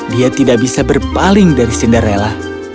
dia tidak bisa berpaling dari cinderella